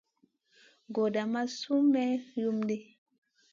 Gordaa maʼa Sun me homdi.